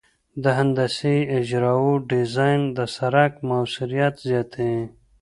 د هندسي اجزاوو ډیزاین د سرک موثریت زیاتوي